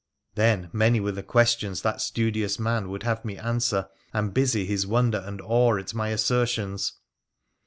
Then many were the questions that studious man would have me answer, and busy his wonder and awe at my assertions.